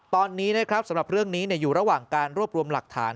ตอนนี้นะครับสำหรับเรื่องนี้อยู่ระหว่างการรวบรวมหลักฐาน